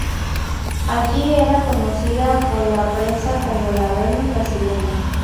Allí era conocida por la prensa como la "Venus Brasileña".